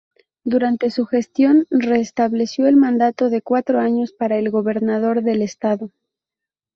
Durante su gestión restableció el mandato de cuatro años para el gobernador del estado.